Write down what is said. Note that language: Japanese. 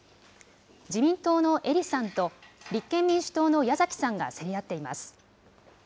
自民党の英利さんと、立憲民主党の矢崎さんが競り合っています。